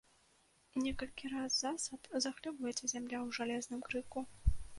Некалькі раз засаб захлёбваецца зямля ў жалезным крыку.